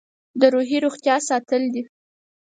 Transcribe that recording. د روحي روغتیا ساتل دي.